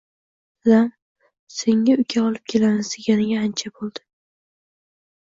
Dadam “Senga uka olib kelamiz”, deganiga ancha boʻldi